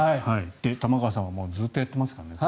玉川さんはずっとやってますからね。